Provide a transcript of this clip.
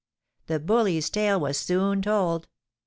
The bully's tale was soon told.